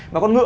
mà con ngựa